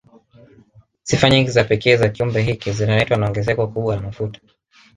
Sifa nyingi za pekee za kiumbe hiki zinaletwa na ongezeko kubwa la mafuta